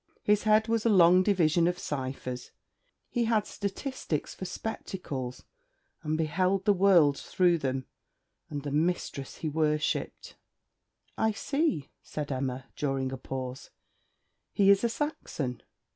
His head was a long division of ciphers. He had statistics for spectacles, and beheld the world through them, and the mistress he worshipped. 'I see,' said Emma, during a pause; 'he is a Saxon.